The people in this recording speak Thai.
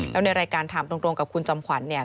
แล้วในรายการถามตรงกับคุณจอมขวัญเนี่ย